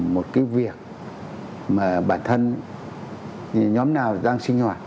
một cái việc mà bản thân nhóm nào đang sinh hoạt